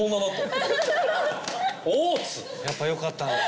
やっぱよかったんだ